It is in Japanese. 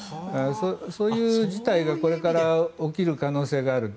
そういう事態がこれから起きる可能性がある。